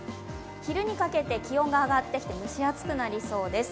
昼にかけて気温が上がってきて蒸し暑くなりそうです。